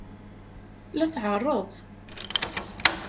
La tɛerreḍ.